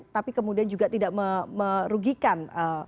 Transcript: tapi kemudian juga tidak merugikan